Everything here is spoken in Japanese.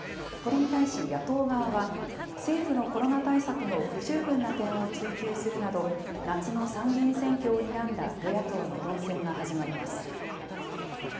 これに対し野党側は、政府のコロナ対策の不十分な点を追及するなど、夏の参議院選挙をにらんだ与野党の論戦が始まります。